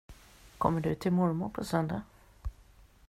Kommer du till mormor på söndag?